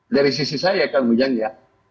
dari sisi saya kang ujang ya